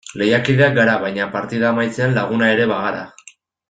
Lehiakideak gara baina partida amaitzean laguna ere bagara.